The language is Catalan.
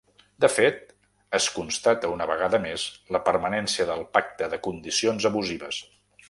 De fet, es constata una vegada més la permanència del pacte de condicions abusives.